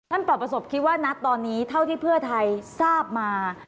ท่านปราบประสบคิดว่านัทตอนนี้เท่าที่เพื่อไทยทราบมา